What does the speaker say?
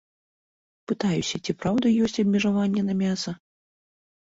Пытаюся, ці праўда ёсць абмежаванні на мяса.